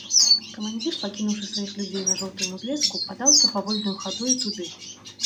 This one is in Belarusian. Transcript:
Камандзір, пакінуўшы сваіх людзей на жоўтым узлеску, падаўся павольнаю хадою туды.